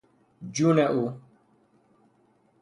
جون او